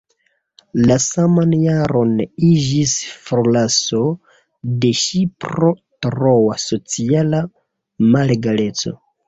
La saman jaron iĝis forlaso de ŝi pro troa sociala malegaleco.